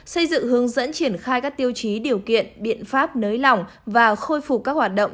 xây dựng hướng dẫn triển khai các tiêu chí điều kiện biện pháp nới lỏng và khôi phục các hoạt động